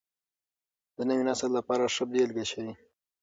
د نوي نسل لپاره ښه بېلګه شئ.